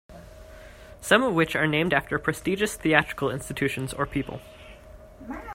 Some of which are named after prestigious theatrical institutions or people.